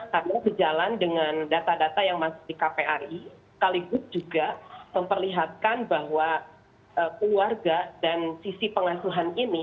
karena berjalan dengan data data yang masih di kpai sekaligus juga memperlihatkan bahwa keluarga dan sisi pengasuhan ini